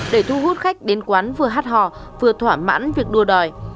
để thu hút khách đến quán vừa hát hò vừa thỏa mãn việc đua đòi